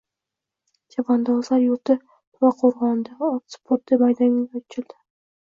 Chavandozlar yurti To‘raqo‘rg‘onda ot sporti maydoni ochilding